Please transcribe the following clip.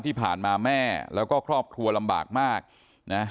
ที่ผ่านมาแม่แล้วก็ครอบครัวลำบากมากนะ